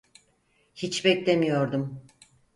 Hiç beklemiyordum.